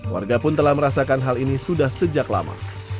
warga pun telah merasakan hal ini sudah sejak lama